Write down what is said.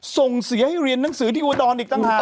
ส่งเสียให้เรียนหนังสือที่อุดรอีกต่างหาก